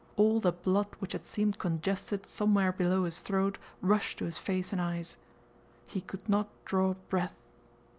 All the blood which had seemed congested somewhere below his throat rushed to his face and eyes. He could not draw breath.